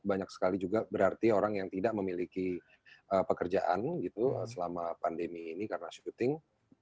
banyak sekali juga berarti orang yang tidak memiliki pekerjaan gitu selama pandemi ini karena syuting